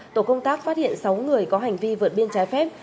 tổ công tác phát hiện sáu người có hành vi vượt biên trái phép